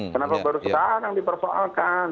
kenapa baru sekarang dipersoalkan